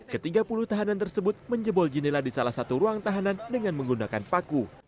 ketiga puluh tahanan tersebut menjebol jendela di salah satu ruang tahanan dengan menggunakan paku